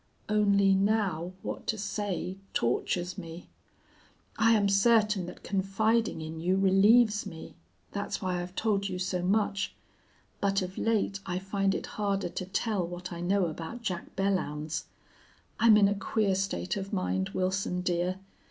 Only, now, what to say tortures me. I am certain that confiding in you relieves me. That's why I've told you so much. But of late I find it harder to tell what I know about Jack Belllounds. I'm in a queer state of mind, Wilson dear.